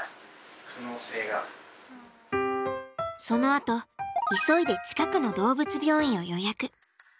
そのあと急いで近くの動物病院を予約。